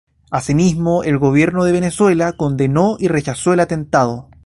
Asimismo, el gobierno de Venezuela condenó y rechazó el atentado.